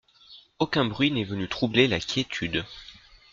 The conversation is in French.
Aucun bruit n’est venu troubler la quiétude.